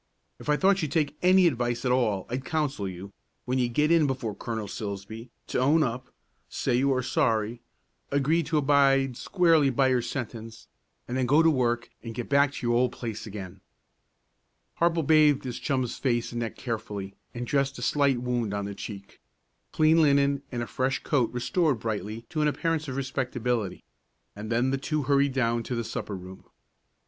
If I thought you'd take any advice at all, I'd counsel you, when you get in before Colonel Silsbee, to own up, say you are sorry, agree to abide squarely by your sentence, and then go to work and get back to your old place again." Harple bathed his chum's face and neck carefully, and dressed a slight wound on the cheek. Clean linen and a fresh coat restored Brightly to an appearance of respectability, and then the two hurried down to the supper room.